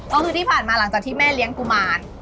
ก็คือที่ผ่านมาหลังจากที่แม่เลี้ยงกุมาร